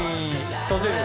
閉じる。